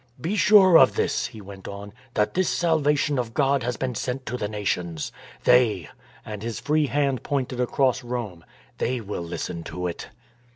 " Be sure of this," he went on, " that this salvation of God has been sent to the Nations. They "— and his free hand pointed across Rome —" they will listen to it."